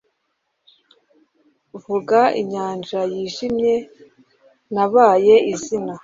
Vuga inyanja yijimye. Nabaye izina